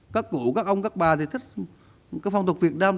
các cụ các ông các bà thì thích cái phong tục việt nam